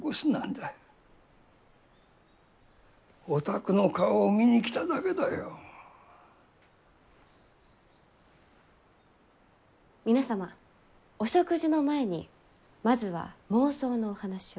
お宅の顔を見に来ただけだよ。皆様お食事の前にまずは妄想のお話を。